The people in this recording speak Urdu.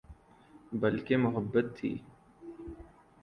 بلکہ محبت تھی